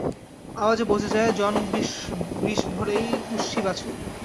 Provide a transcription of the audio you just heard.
আওয়াজে বোঝা যায় জন বৃষভেরই পুষ্যি বাছুর।